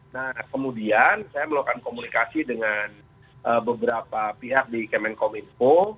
nah kemudian saya melakukan komunikasi dengan beberapa pihak di kemenkominfo